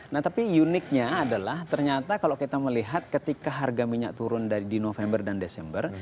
nah tapi uniknya adalah ternyata kalau kita melihat ketika harga minyak turun dari di november dan desember